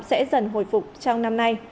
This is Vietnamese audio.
sẽ dần hồi phục trong năm nay